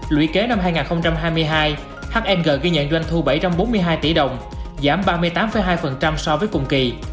lũy kế năm hai nghìn hai mươi hai hng ghi nhận doanh thu bảy trăm bốn mươi hai tỷ đồng giảm ba mươi tám hai so với cùng kỳ